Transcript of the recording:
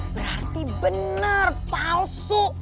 berarti bener palsu